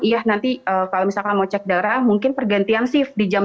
iya nanti kalau misalkan mau cek darah mungkin pergantian shift di jam tiga